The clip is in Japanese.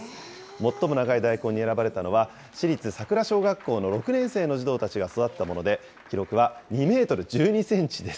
最も長い大根に選ばれたのは、市立さくら小学校の６年生の児童たちが育てたもので、記録は２メートル１２センチです。